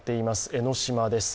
江の島です。